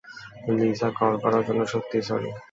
Lisa, call করার জন্য সত্যিই সরি।